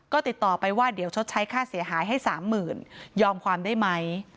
ก็ติดต่อไปว่าเดี๋ยวชดใช้ค่าเสียหายให้๓๐๐๐ยอมความได้ไหม